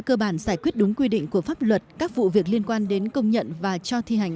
cơ bản giải quyết đúng quy định của pháp luật các vụ việc liên quan đến công nhận và cho thi hành